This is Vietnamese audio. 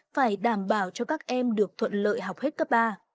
phải đảm bảo cho các em được thuận lợi học hết cấp ba